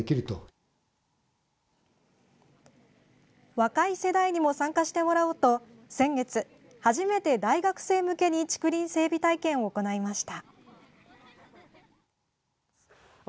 若い世代にも参加してもらおうと先月、初めて大学生向けに竹林整備体験を行いました。